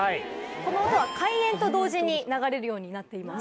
この音は開演と同時に流れるようになっています。